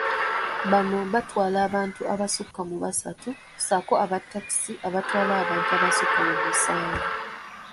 Bano batwala abantu abasukka mu basatu sako abatakisi abatwala abantu abasukka mu musanvu.